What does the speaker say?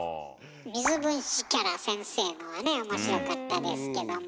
水分子キャラ先生のはね面白かったですけども。